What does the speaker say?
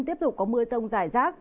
tiếp tục có mưa rông giải rác